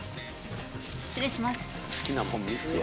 失礼します。